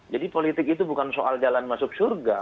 jadi politik itu bukan soal jalan masuk surga